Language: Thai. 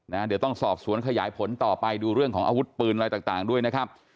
เดี๋ยวต้องสอบสวนขยายผลต่อไปดูเรื่องของอาวุธปืนอะไรต่างด้วยนะครับ